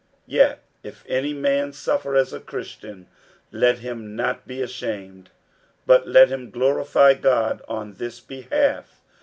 60:004:016 Yet if any man suffer as a Christian, let him not be ashamed; but let him glorify God on this behalf.